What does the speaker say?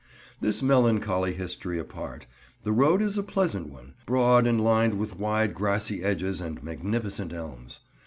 This melancholy history apart, the road is a pleasant one; broad, and lined with wide grassy edges and magnificent elms.